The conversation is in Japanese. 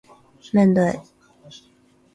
めんどい